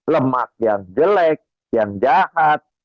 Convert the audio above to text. lemak yang jelek yang jahat